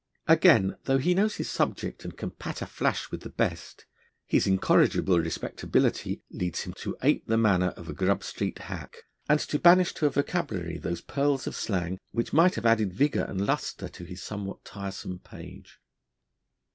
Again, though he knows his subject, and can patter flash with the best, his incorrigible respectability leads him to ape the manner of a Grub Street hack, and to banish to a vocabulary those pearls of slang which might have added vigour and lustre to his somewhat tiresome page.